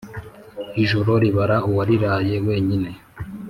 Ijoro ribara uwariraye wenyine